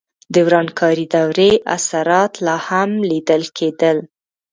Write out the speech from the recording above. د ورانکارې دورې اثرات لا هم لیدل کېدل.